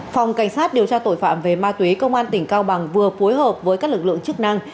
phòng cảnh sát điều tra tội phạm về ma túy công an tỉnh cao bằng vừa phối hợp với các lực lượng chức năng